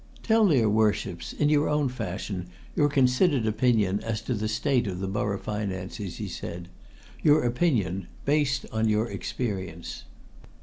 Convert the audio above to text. "Tell their Worships, in your own fashion, your considered opinion as to the state of the borough finances," he said. "Your opinion based on your experience."